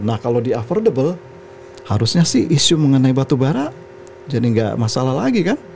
nah kalau di affordable harusnya sih isu mengenai batu bara jadi nggak masalah lagi kan